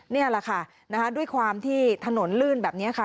นี่แหละค่ะด้วยความที่ถนนลื่นแบบนี้ค่ะ